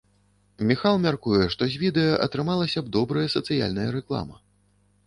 Міхал мяркуе, што з відэа атрымалася бы добрая сацыяльная рэклама.